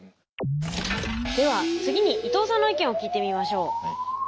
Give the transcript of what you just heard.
では次に伊藤さんの意見を聞いてみましょう。